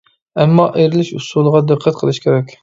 ئەمما ئايرىلىش ئۇسۇلىغا دىققەت قىلىش كېرەك.